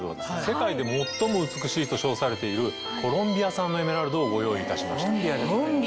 世界で最も美しいと称されているコロンビア産のエメラルドをご用意いたしました。